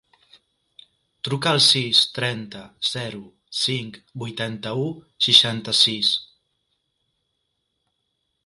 Truca al sis, trenta, zero, cinc, vuitanta-u, seixanta-sis.